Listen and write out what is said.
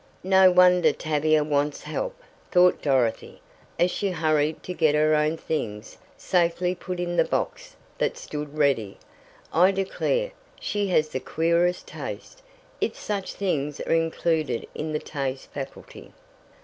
"No wonder Tavia wants help," thought Dorothy, as she hurried to get her own things safely put in the box that stood ready. "I declare, she has the queerest taste if such things are included in the taste faculty."